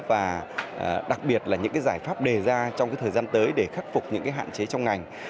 và đặc biệt là những giải pháp đề ra trong thời gian tới để khắc phục những hạn chế trong ngành